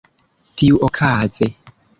tiuokaze